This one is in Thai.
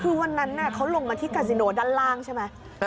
คือวันนั้นเขาลงมาที่กาซิโนด้านล่างใช่ไหม